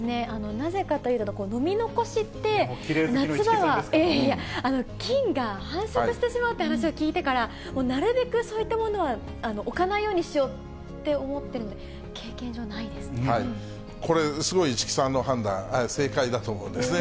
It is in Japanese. なぜかというと、飲み残しって、夏場は菌が繁殖してしまうっていう話を聞いてから、なるべくそういったものは置かないようにしようって思ってるので、経験上ないこれ、すごい市來さんの判断、正解だと思うんですね。